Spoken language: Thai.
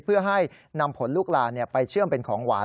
เพื่อให้นำผลลูกลานไปเชื่อมเป็นของหวาน